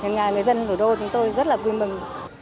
nên người dân thủ đô chúng tôi rất là vui mừng